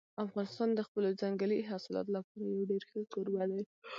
افغانستان د خپلو ځنګلي حاصلاتو لپاره یو ډېر ښه کوربه دی.